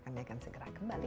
kami akan segera kembali